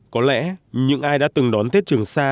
có lẽ những ai đã từng đón tết trường sa